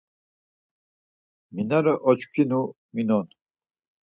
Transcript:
Mi na re oçkinu minon.